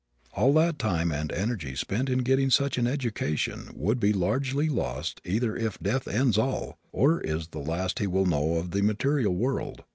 All that time and energy spent in getting such an education would be largely lost either if death ends all, or is the last he will know of the material world.